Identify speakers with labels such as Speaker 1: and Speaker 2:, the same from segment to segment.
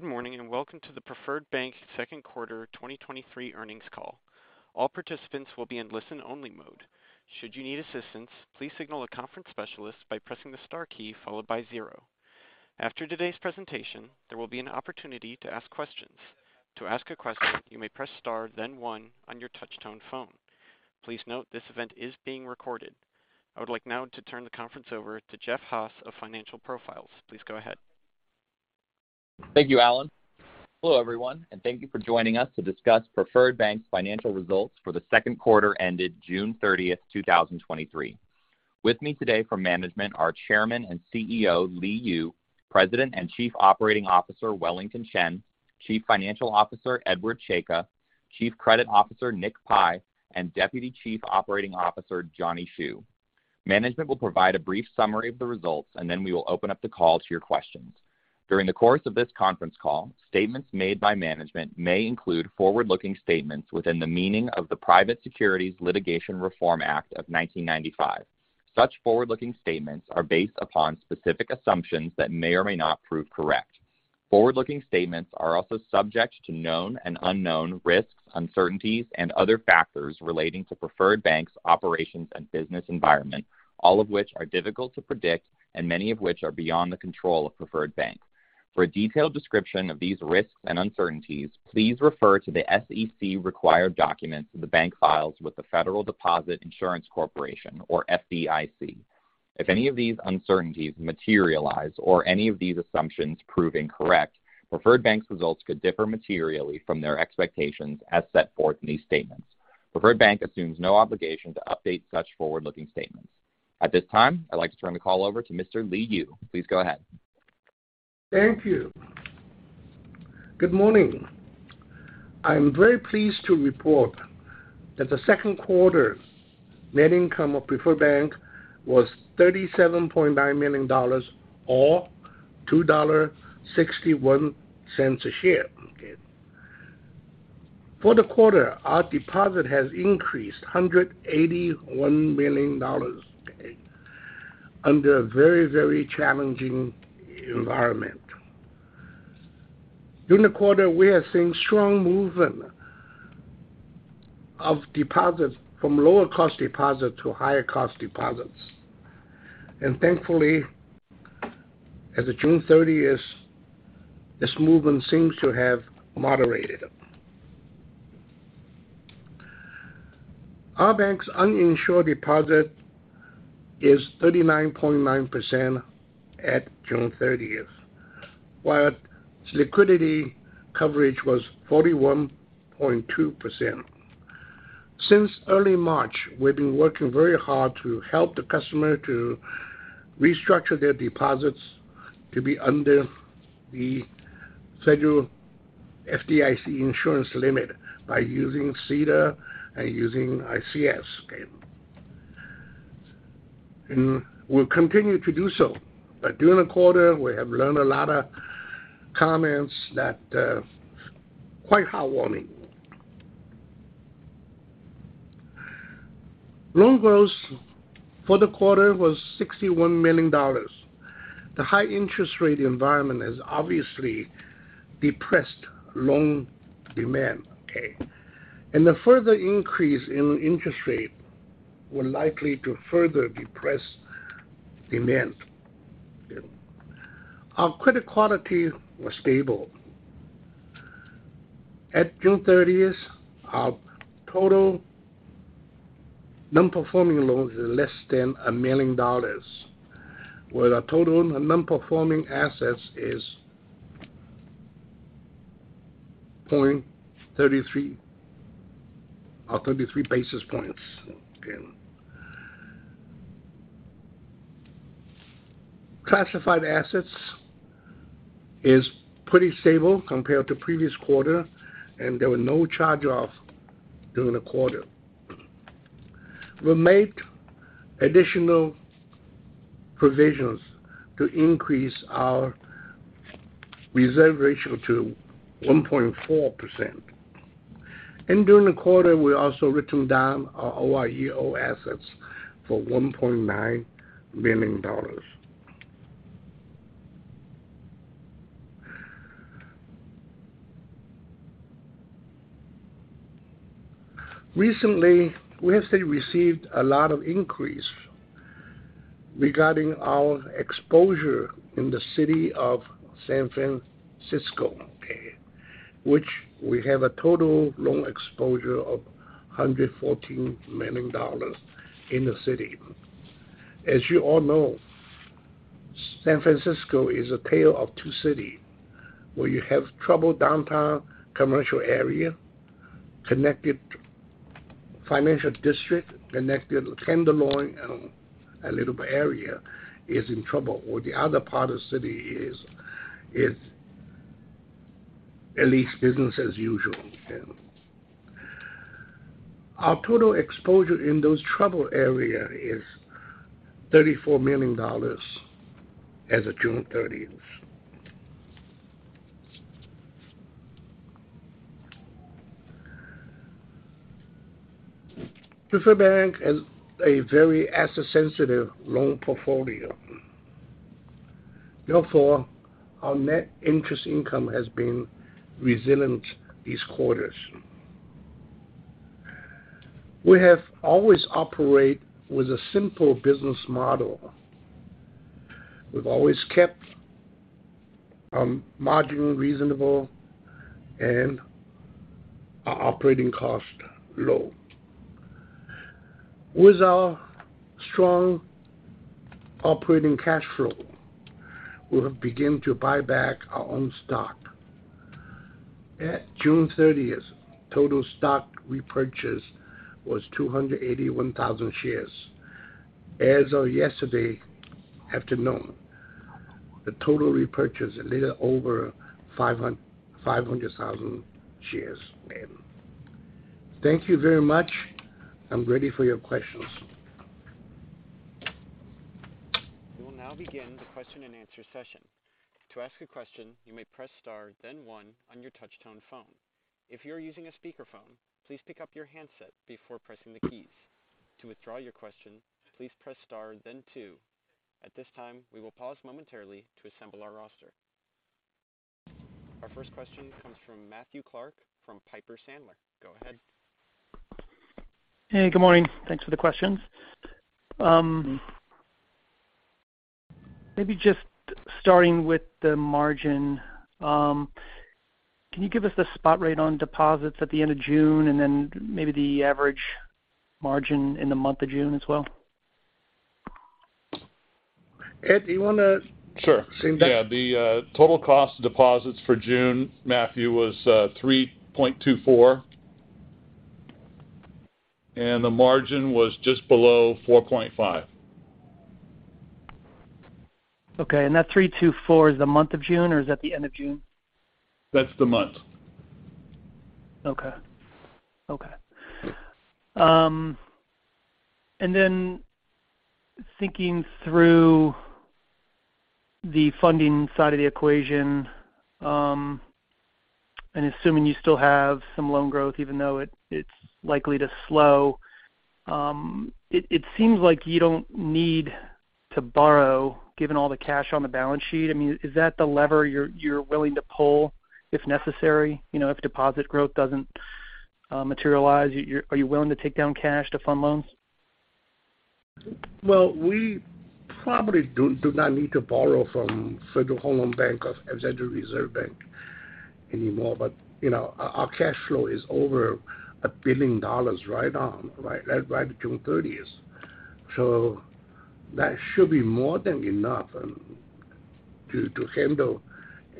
Speaker 1: Good morning, welcome to the Preferred Bank Second Quarter 2023 earnings call. All participants will be in listen-only mode. Should you need assistance, please signal a conference specialist by pressing the star key followed by 0. After today's presentation, there will be an opportunity to ask questions. To ask a question, you may press star, then one on your touchtone phone. Please note this event is being recorded. I would like now to turn the conference over to Jeff Haas of Financial Profiles. Please go ahead.
Speaker 2: Thank you, Allan. Hello, everyone, and thank you for joining us to discuss Preferred Bank's financial results for the second quarter ended June 30th, 2023. With me today from management are Chairman and CEO, Li Yu, President and Chief Operating Officer, Wellington Chen, Chief Financial Officer, Edward Czajka, Chief Credit Officer, Nick Pi, and Deputy Chief Operating Officer, Johnny Hsu. Management will provide a brief summary of the results, and then we will open up the call to your questions. During the course of this conference call, statements made by management may include forward-looking statements within the meaning of the Private Securities Litigation Reform Act of 1995. Such forward-looking statements are based upon specific assumptions that may or may not prove correct. Forward-looking statements are also subject to known and unknown risks, uncertainties, and other factors relating to Preferred Bank's operations and business environment, all of which are difficult to predict and many of which are beyond the control of Preferred Bank. For a detailed description of these risks and uncertainties, please refer to the SEC required documents the bank files with the Federal Deposit Insurance Corporation, or FDIC. If any of these uncertainties materialize or any of these assumptions prove incorrect, Preferred Bank's results could differ materially from their expectations as set forth in these statements. Preferred Bank assumes no obligation to update such forward-looking statements. At this time, I'd like to turn the call over to Mr. Li Yu. Please go ahead.
Speaker 3: Thank you. Good morning. I'm very pleased to report that the second quarter net income of Preferred Bank was $37.9 million, or $2.61 a share. Okay? For the quarter, our deposit has increased $181 million under a very, very challenging environment. During the quarter, we are seeing strong movement of deposits from lower cost deposits to higher cost deposits. Thankfully, as of June 30th 2023, this movement seems to have moderated. Our bank's uninsured deposit is 39.9% at June 30th, while liquidity coverage was 41.2%. Since early March, we've been working very hard to help the customer to restructure their deposits to be under the FDIC insurance limit by using CDARS and using ICS. We'll continue to do so, but during the quarter, we have learned a lot of comments that, quite heartwarming. Loan growth for the quarter was $61 million. The high interest rate environment has obviously depressed loan demand, okay? The further increase in interest rate will likely to further depress demand. Our credit quality was stable. At June 30th, our total non-performing loans is less than $1 million, where our total non-performing assets is 0.33 or 33 basis points. Okay. Classified assets is pretty stable compared to previous quarter, and there were no charge-offs during the quarter. We made additional provisions to increase our reserve ratio to 1.4%. During the quarter, we also written down our OREO assets for $1.9 million. Recently, we have received a lot of inquiries regarding our exposure in the city of San Francisco, which we have a total loan exposure of $114 million in the city. As you all know, San Francisco is a tale of two cities, where you have trouble downtown commercial area, connected financial district, connected Tenderloin, a little area is in trouble, the other part of the city is at least business as usual. Our total exposure in those trouble areas is $34 million as of June 30th. Preferred Bank has a very asset-sensitive loan portfolio. Our net interest income has been resilient these quarters. We have always operate with a simple business model. We've always kept margin reasonable and our operating cost low. With our strong operating cash flow, we have begun to buy back our own stock. At June 30th, total stock repurchase was 281,000 shares. As of yesterday afternoon, the total repurchase, a little over 500,000 shares then. Thank you very much. I'm ready for your questions.
Speaker 1: We will now begin the question and answer session. To ask a question, you may press Star, then One on your touch-tone phone. If you're using a speakerphone, please pick up your handset before pressing the keys. To withdraw your question, please press Star then Two. At this time, we will pause momentarily to assemble our roster. Our first question comes from Matthew Clark from Piper Sandler. Go ahead.
Speaker 4: Hey, good morning. Thanks for the questions. Maybe just starting with the margin, can you give us the spot rate on deposits at the end of June, and then maybe the average margin in the month of June as well?
Speaker 3: Ed, do you want to?
Speaker 5: Sure. Yeah, the total cost of deposits for June, Matthew, was 3.24%, and the margin was just below 4.5%.
Speaker 4: Okay. That 3.24% is the month of June, or is that the end of June?
Speaker 5: That's the month.
Speaker 4: OOkay. Thinking through the funding side of the equation, and assuming you still have some loan growth, even though it's likely to slow, it seems like you don't need to borrow, given all the cash on the balance sheet. I mean, is that the lever you're willing to pull if necessary? If deposit growth doesn't materialize, are you willing to take down cash to fund loans?
Speaker 3: We probably do not need to borrow from Federal Home Loan Bank of Federal Reserve Bank anymore. You know, our cash flow is over $1 billion June 30th. That should be more than enough to handle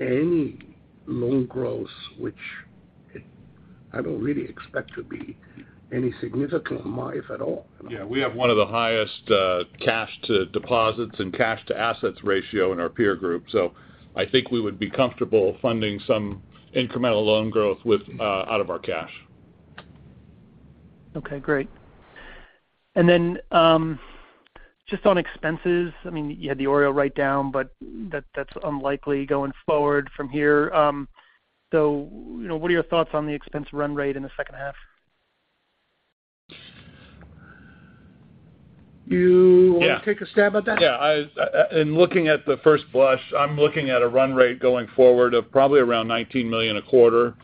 Speaker 3: any loan growth, which I don't really expect to be any significant amount, if at all.
Speaker 5: We have one of the highest cash-to-deposits and cash-to-assets ratio in our peer group, so I think we would be comfortable funding some incremental loan growth with out of our cash.
Speaker 4: Okay, great. Just on expenses, I mean, you had the OREO write-down, but that's unlikely going forward from here. You know, what are your thoughts on the expense run rate in the second half?
Speaker 3: You Want to take a stab at that?
Speaker 5: Yeah. In looking at the first blush, I'm looking at a run rate going forward of probably around $19 million a quarter,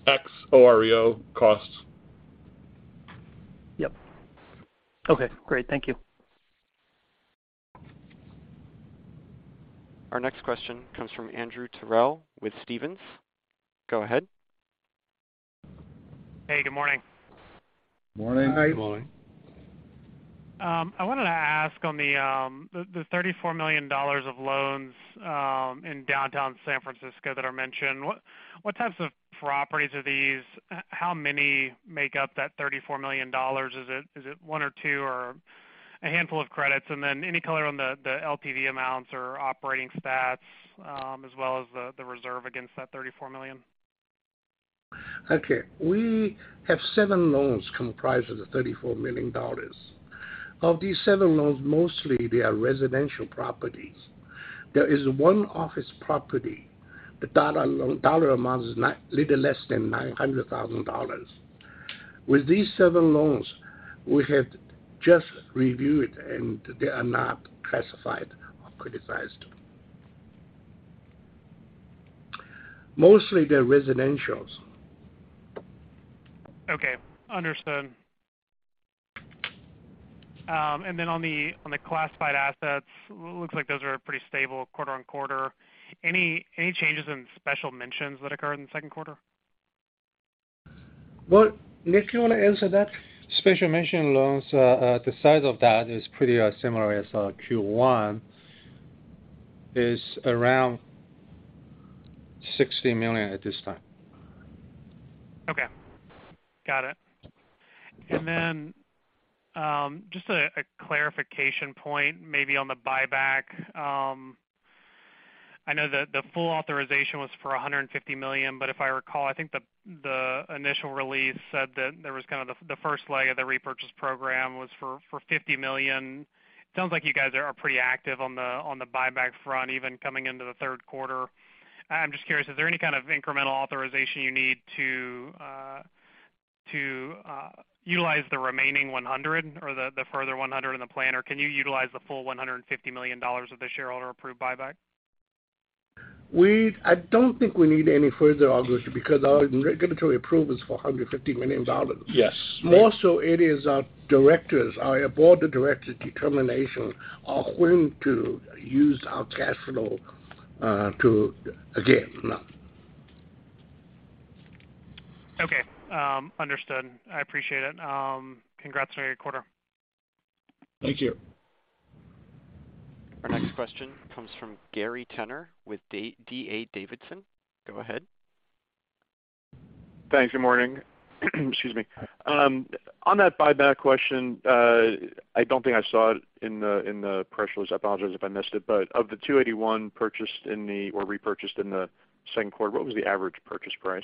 Speaker 5: ex-OREO costs.
Speaker 4: Yep. Okay, great. Thank you.
Speaker 1: Our next question comes from Andrew Terrell with Stephens Inc. Go ahead.
Speaker 6: Hey, good morning.
Speaker 3: Morning.
Speaker 5: Hi. Good morning.
Speaker 6: I wanted to ask on the $34 million of loans in downtown San Francisco that are mentioned, what types of properties are these? How many make up that $34 million? Is it one or two, or a handful of credits? Any color on the LTV amounts or operating stats, as well as the reserve against that $34 million?
Speaker 3: Okay. We have seven loans comprised of $34 million. Of these seven loans, mostly they are residential properties. There is one office property. The dollar amount is little less than $900,000. With these seven loans, we have just reviewed, and they are not classified or criticized. Mostly, they're residentials.
Speaker 6: Okay, understood. Then on the classified assets, looks like those are pretty stable quarter-on-quarter. Any changes in special mentions that occurred in the second quarter?
Speaker 3: Well, Nick, you want to answer that?
Speaker 7: Special mention loans, the size of that is pretty similar as Q1. Is around $60 million at this time.
Speaker 6: Okay. Got it. Then, just a clarification point, maybe on the buyback. I know the full authorization was for $150 million, but if I recall, I think the initial release said that there was kind of the first leg of the repurchase program was for $50 million. Sounds like you guys are pretty active on the buyback front, even coming into the third quarter. I'm just curious, is there any kind of incremental authorization you need to utilize the remaining $100 or the further $100 in the plan? Can you utilize the full $150 million of the shareholder-approved buyback?
Speaker 3: I don't think we need any further, August, because our regulatory approval is for $150 million.
Speaker 5: Yes.
Speaker 3: More so, it is our directors, our board of directors' determination of when to use our cash flow, to again, now.
Speaker 6: Okay, understood. I appreciate it. Congrats on a great quarter.
Speaker 3: Thank you.
Speaker 1: Our next question comes from Gary Tenner with D.A. Davidson. Go ahead.
Speaker 8: Thanks. Good morning. Excuse me. On that buyback question, I don't think I saw it in the, in the press release. I apologize if I missed it, but of the 281 purchased in the or repurchased in the second quarter, what was the average purchase price?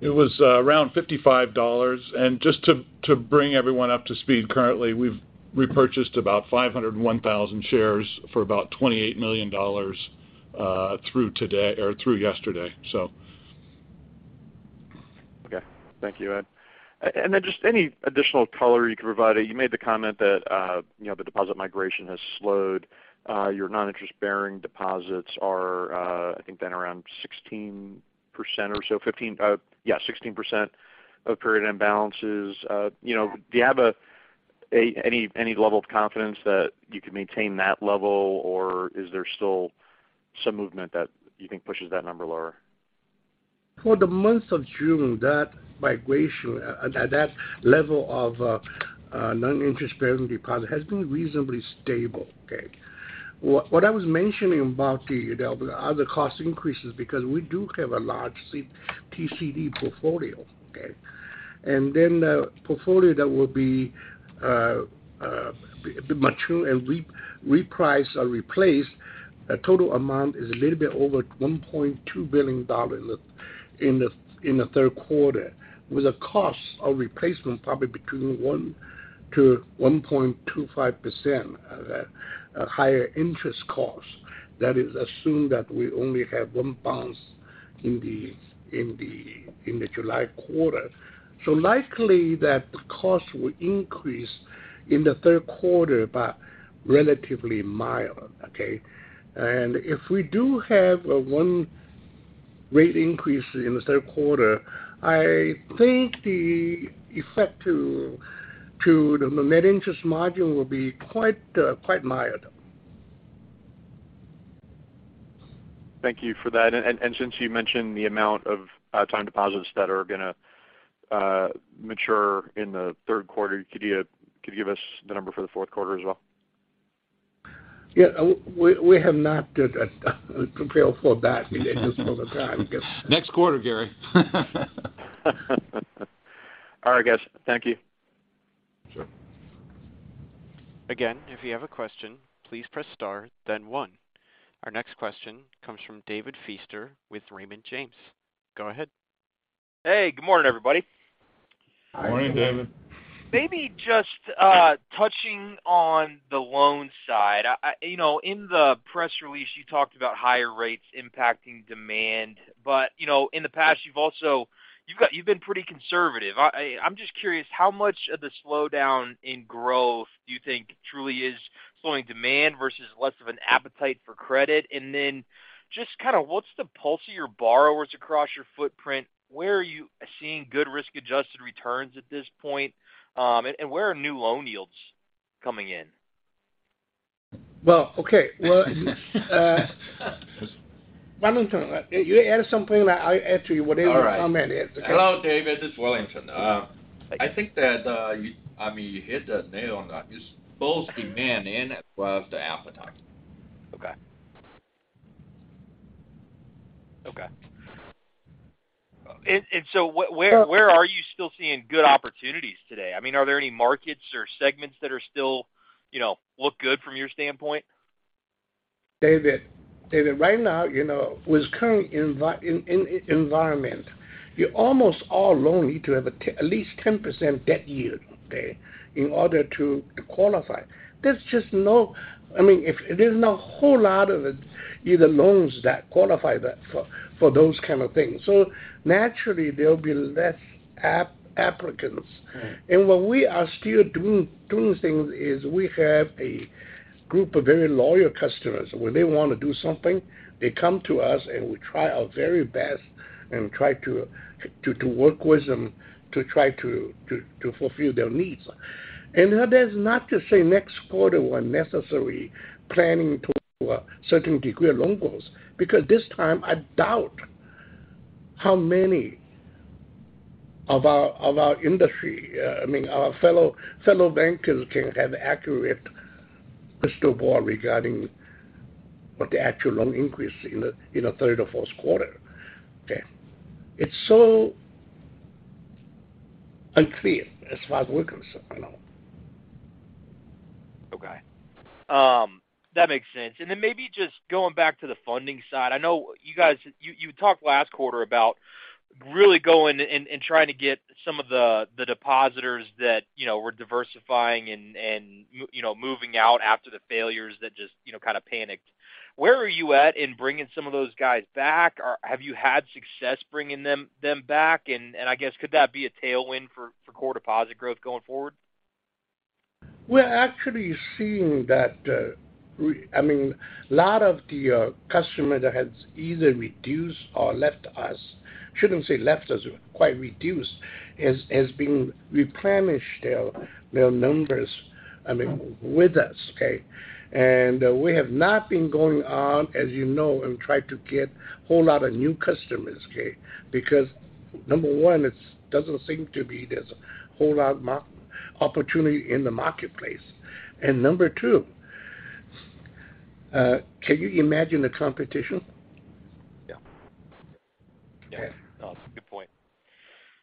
Speaker 5: It was, around $55. Just to bring everyone up to speed, currently, we've repurchased about 501,000 shares for about $28 million, through today or through yesterday.
Speaker 8: Okay. Thank you, Edward. Then just any additional color you can provide. You made the comment that, you know, the deposit migration has slowed. Your non-interest-bearing deposits are, I think, been around 16% or so, 15, yeah, 16% of period end balances. You know, do you have a any level of confidence that you can maintain that level, or is there still some movement that you think pushes that number lower?
Speaker 3: For the month of June, that migration at that level of non-interest-bearing deposit has been reasonably stable, okay. What I was mentioning about the other cost increases, because we do have a large TCD portfolio, okay. The portfolio that will be mature and repriced or replaced, the total amount is a little bit over $1.2 billion in the third quarter, with a cost of replacement probably between 1%-1.25% of that, a higher interest cost. That is assumed that we only have one bounce in the July quarter. Likely that cost will increase in the third quarter, but relatively mild, okay. If we do have a one rate increase in the third quarter, I think the effect to the net interest margin will be quite mild.
Speaker 8: Thank you for that. Since you mentioned the amount of time deposits that are gonna mature in the third quarter, could you give us the number for the fourth quarter as well?
Speaker 3: Yeah, we have not done a compare for that all the time.
Speaker 5: Next quarter, Gary.
Speaker 8: All right, guys. Thank you.
Speaker 5: Sure.
Speaker 1: Again, if you have a question, please press Star, then One. Our next question comes from David Feaster with Raymond James. Go ahead.
Speaker 9: Hey, good morning, everybody.
Speaker 5: Good morning, David.
Speaker 9: Maybe just touching on the loan side. You know, in the press release, you talked about higher rates impacting demand. You know, in the past, you've been pretty conservative. I'm just curious, how much of the slowdown in growth do you think truly is slowing demand versus less of an appetite for credit? Then just kind of what's the pulse of your borrowers across your footprint? Where are you seeing good risk-adjusted returns at this point? Where are new loan yields coming in?
Speaker 3: Well, okay. Well, Wellington, you add something, I add to you, whatever your comment is.
Speaker 10: Hello, David, this is Wellington. I think that, you I mean, you hit the nail on that. It's both demand and as well as the appetite.
Speaker 9: Okay. Okay. Where are you still seeing good opportunities today? I mean, are there any markets or segments that are still, you know, look good from your standpoint?
Speaker 3: David, right now, you know, with current environment, you almost all loan need to have at least 10% debt yield, okay, in order to qualify. I mean, if there's not a whole lot of it, either loans that qualify that for those kind of things. Naturally, there'll be less applicants. What we are still doing things is we have a group of very loyal customers, where they want to do something, they come to us, we try our very best and try to work with them, to try to fulfill their needs. That is not to say next quarter, we're necessarily planning to a certain degree of loan goals, because this time I doubt how many of our industry, I mean, our fellow bankers can have accurate crystal ball regarding what the actual loan increase in the third or fourth quarter. Okay. It's so unclear as far as we're concerned now.
Speaker 9: Okay. That makes sense. Then maybe just going back to the funding side. I know you guys, you talked last quarter about really going and trying to get some of the depositors that, you know, were diversifying and, you know, moving out after the failures that just, you know, kind of panicked. Where are you at in bringing some of those guys back? Have you had success bringing them back? I guess could that be a tailwind for core deposit growth going forward?
Speaker 3: We're actually seeing that, I mean, a lot of the customers that has either reduced or left us, shouldn't say left us, quite reduced, has been replenished their numbers, I mean, with us, okay? We have not been going on, as you know, and try to get a whole lot of new customers, okay? Number one, it's doesn't seem to be there's a whole lot opportunity in the marketplace. Number two, can you imagine the competition?
Speaker 9: Yeah.
Speaker 3: Okay.
Speaker 9: No, good point.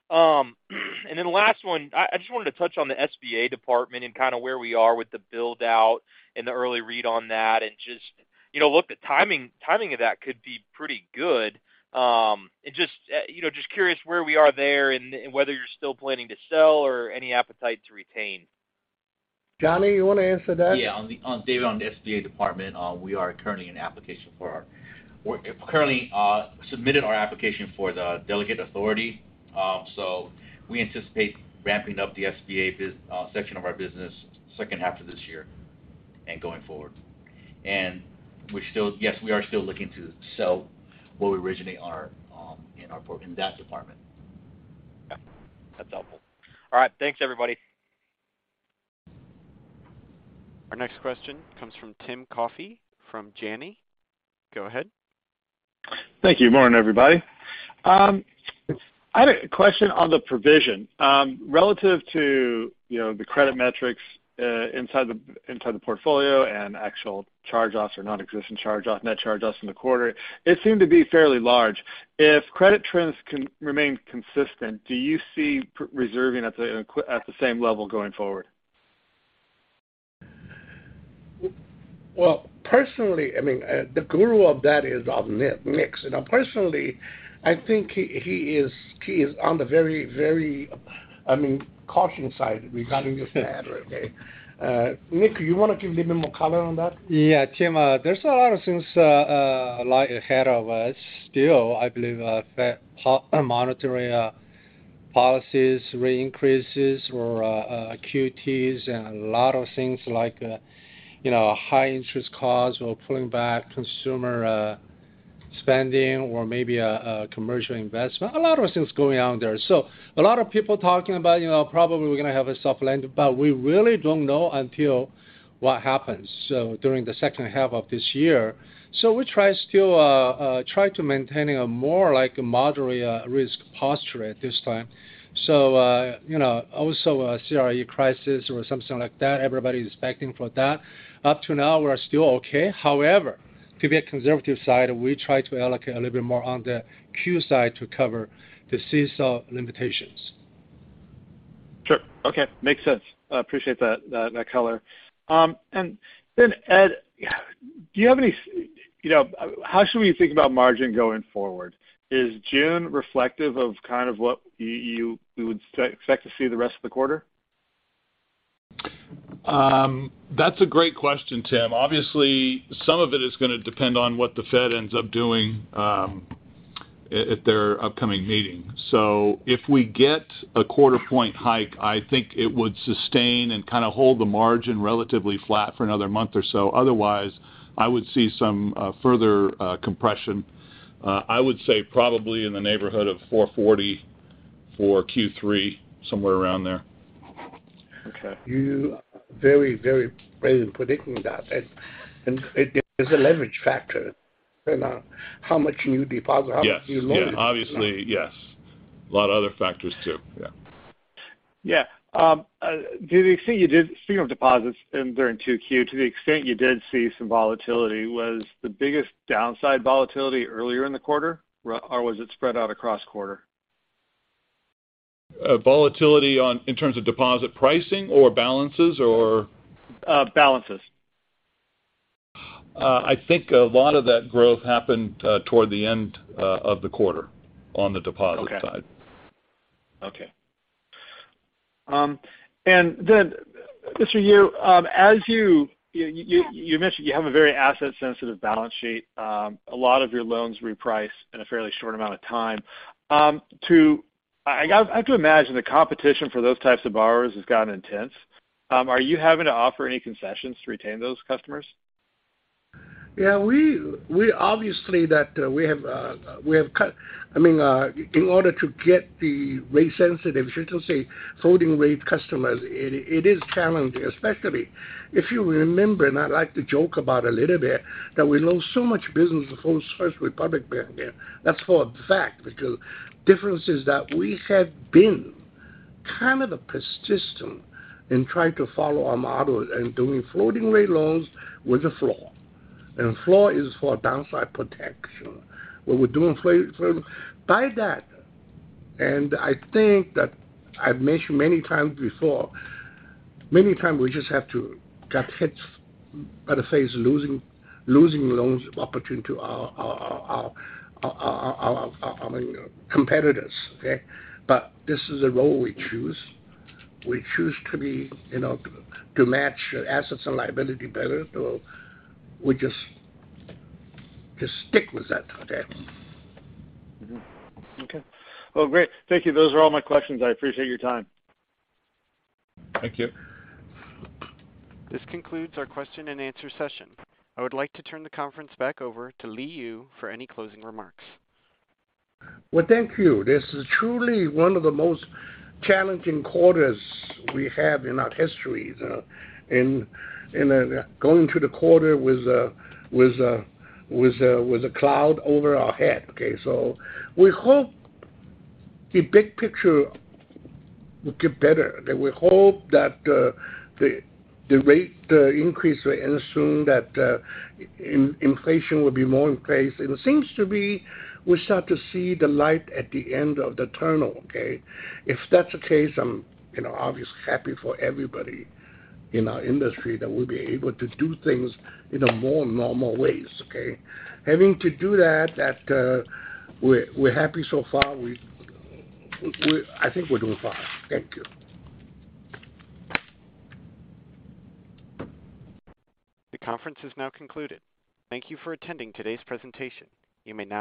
Speaker 9: Last one: I just wanted to touch on the SBA department and kind of where we are with the build-out and the early read on that, and just, you know, look, the timing of that could be pretty good. Just, you know, just curious where we are there and whether you're still planning to sell or any appetite to retain?
Speaker 3: Johnny, you want to answer that?
Speaker 11: Yeah. On, David, on the SBA department, we're currently submitted our application for the delegate authority. We anticipate ramping up the SBA section of our business second half of this year and going forward. Yes, we are still looking to sell what we originally are, in our port, in that department.
Speaker 9: Yeah, that's helpful. All right. Thanks, everybody.
Speaker 1: Our next question comes from Tim Coffey, from Janney. Go ahead.
Speaker 12: Thank you. Morning, everybody. I had a question on the provision relative to, you know, the credit metrics inside the portfolio and actual charge-offs or nonexistent charge-off, net charge-offs in the quarter. It seemed to be fairly large. If credit trends remain consistent, do you see reserving at the same level going forward?
Speaker 3: Well, personally, I mean, the guru of that is Nick. Now, personally, I think he is on the very, I mean, caution side regarding this matter, okay? Nick, you want to give a little more color on that?
Speaker 7: Yeah, Tim, there's a lot of things lie ahead of us. Still, I believe, monetary policies, rate increases or QTs and a lot of things like, you know, high interest costs or pulling back consumer spending or maybe a commercial investment. A lot of things going on there. A lot of people talking about, you know, probably we're gonna have a soft landing, but we really don't know until what happens, so during the second half of this year. We try to maintaining a more like a moderately risk posture at this time. You know, also a CRE crisis or something like that, everybody is expecting for that. Up to now, we're still okay. To be a conservative side, we try to allocate a little bit more on the Q side to cover the CSA limitations.
Speaker 12: Sure. Okay, makes sense. I appreciate that color. Ed, do you have any, you know, how should we think about margin going forward? Is June reflective of kind of what you, we would expect to see the rest of the quarter?
Speaker 5: That's a great question, Tim. Obviously, some of it is gonna depend on what the Fed ends up doing at their upcoming meeting. If we get a quarter point hike, I think it would sustain and kinda hold the margin relatively flat for another month or so. Otherwise, I would see some further compression, I would say probably in the neighborhood of 4.40% for Q3, somewhere around there.
Speaker 12: Okay.
Speaker 3: You very brave in predicting that, Edward. There's a leverage factor on how much new deposit, how much you loan.
Speaker 5: Yes. Yeah, obviously, yes. A lot of other factors, too. Yeah.
Speaker 12: Yeah. Do you see speaking of deposits in during Q2, to the extent you did see some volatility, was the biggest downside volatility earlier in the quarter, or was it spread out across quarter?
Speaker 5: volatility on, in terms of deposit pricing or balances or?
Speaker 12: balances.
Speaker 5: I think a lot of that growth happened toward the end of the quarter on the deposit side.
Speaker 12: Okay. Mr. Yu, as you mentioned, you have a very asset-sensitive balance sheet. A lot of your loans reprice in a fairly short amount of time. I have to imagine the competition for those types of borrowers has gotten intense. Are you having to offer any concessions to retain those customers?
Speaker 3: Yeah, we obviously that, we have, I mean, in order to get the rate sensitive, should I say, floating rate customers, it is challenging, especially if you remember, and I like to joke about a little bit, that we lose so much business before First Republic Bank. That's for a fact, because difference is that we have been kind of the persistent in trying to follow our model and doing floating rate loans with the floor. Floor is for downside protection. What we're doing by that, and I think that I've mentioned many times before, many times we just have to get hit by the face, losing loans opportunity to our competitors, okay? This is a role we choose. We choose to be, you know, to match assets and liability better, so we just stick with that, okay?
Speaker 12: Okay. Well, great. Thank you. Those are all my questions. I appreciate your time.
Speaker 3: Thank you.
Speaker 1: This concludes our question and answer session. I would like to turn the conference back over to Li Yu for any closing remarks.
Speaker 3: Well, thank you. This is truly one of the most challenging quarters we have in our history, you know, in going to the quarter with a cloud over our head, okay? We hope the big picture will get better, and we hope that the rate increase will end soon, that inflation will be more in place. It seems to be we start to see the light at the end of the tunnel, okay? If that's the case, I'm, you know, obviously happy for everybody in our industry that we'll be able to do things in a more normal ways, okay? Having to do that, we're happy so far. We, I think we're doing fine. Thank you.
Speaker 1: The conference is now concluded. Thank you for attending today's presentation. You may disconnect.